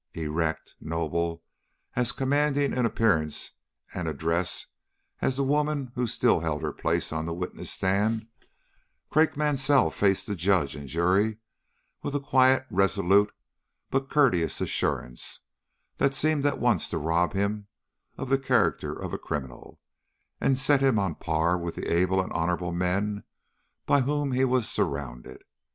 Erect, noble, as commanding in appearance and address as the woman who still held her place on the witness stand, Craik Mansell faced the judge and jury with a quiet, resolute, but courteous assurance, that seemed at once to rob him of the character of a criminal, and set him on a par with the able and honorable men by whom he was surrounded.